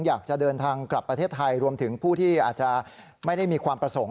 อยากจะเดินทางกลับประเทศไทยรวมถึงผู้ที่อาจจะไม่ได้มีความประสงค์